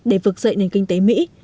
để vực dậy nền kinh tế mỹ